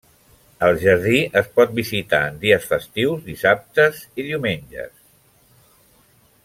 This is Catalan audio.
El jardí es pot visitar en dies festius dissabte i diumenges.